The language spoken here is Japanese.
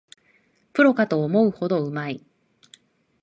プロかと思うほどうまい